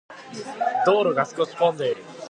道路が少し混んでいる。